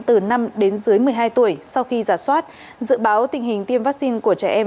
từ năm đến dưới một mươi hai tuổi sau khi giả soát dự báo tình hình tiêm vaccine của trẻ em